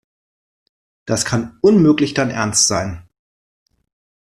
Das kann unmöglich dein Ernst sein.